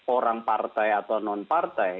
orang partai atau non partai